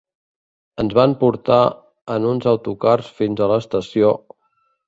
Ens van portar en uns autocars fins a l'estació